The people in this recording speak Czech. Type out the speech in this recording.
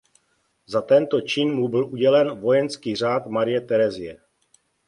Za tento čin mu byl udělen Vojenský řád Marie Terezie.